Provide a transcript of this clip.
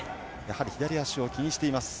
左足を気にしています。